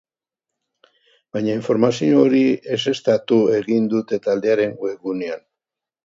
Baina, informazio hori ezeztatu egin dute taldearen webgunean.